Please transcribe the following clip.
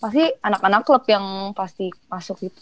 pasti anak anak klub yang pasti masuk gitu